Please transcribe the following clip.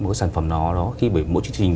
một cái sản phẩm đó khi mỗi chương trình